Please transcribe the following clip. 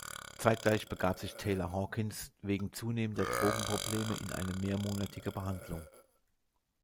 Zeitgleich begab sich Taylor Hawkins wegen zunehmender Drogenprobleme in eine mehrmonatige Behandlung.